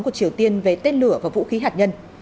của triều tiên về tên lửa và vũ khí hạt nhân